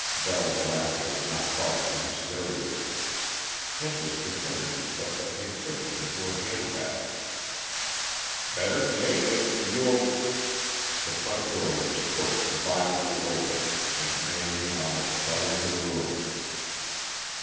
Val's laughter was not far from hysteria. Kent was pretending to stuff the pink cushion into her hand bag. "Better take it; you'll " The front door was pushed violently open and Manley almost fell into the room.